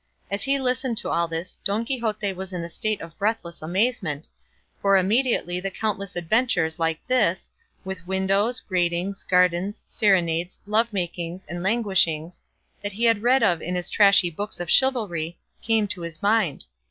As he listened to all this Don Quixote was in a state of breathless amazement, for immediately the countless adventures like this, with windows, gratings, gardens, serenades, lovemakings, and languishings, that he had read of in his trashy books of chivalry, came to his mind.